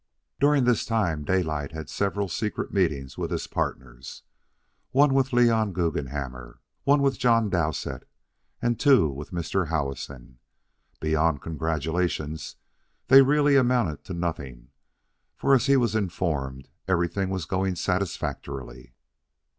During this time Daylight had several secret meetings with his partners one with Leon Guggenhammer, one with John Dowsett, and two with Mr. Howison. Beyond congratulations, they really amounted to nothing; for, as he was informed, everything was going satisfactorily.